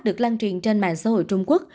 được lan truyền trên mạng xã hội trung quốc